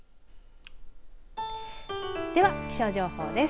では気象情報です。